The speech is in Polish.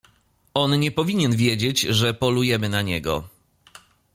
"On nie powinien wiedzieć, że polujemy na niego."